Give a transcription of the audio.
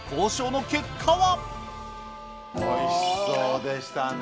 おいしそうでしたね。